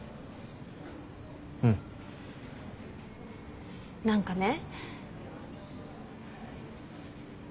うん。何かね。